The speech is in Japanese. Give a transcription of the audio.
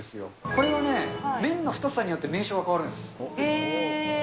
これはね、麺の太さによって名称が変わるんです。